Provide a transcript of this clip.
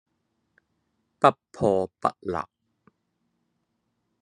不破不立